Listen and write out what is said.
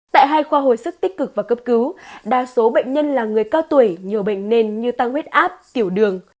tại hai khoa hồi sức tích cực và cấp cứu đa số bệnh nhân là người cao tuổi nhiều bệnh nền như tăng huyết áp tiểu đường